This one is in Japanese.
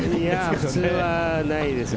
普通はないですね。